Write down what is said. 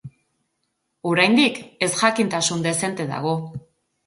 Oraindik ezjakintasun dezente dago.